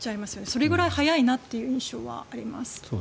それぐらい早いなという印象はあります。